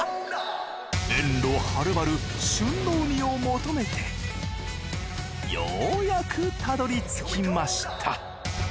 遠路はるばる旬のウニを求めてようやくたどり着きました。